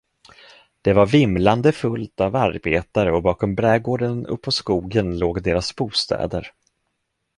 Det var vimlande fullt av arbetare och bakom brädgården uppåt skogen låg deras bostäder.